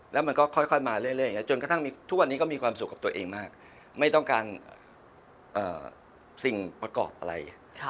แล้วมันก็ค่อยมาเรื่อยจนกระทั่งทุกวันนี้ก็มีความสุขกับตัวเองมากไม่ต้องการสิ่งประกอบอะไร